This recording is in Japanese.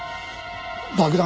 爆弾